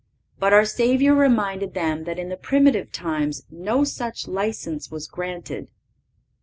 But our Savior reminded them that in the primitive times no such license was granted.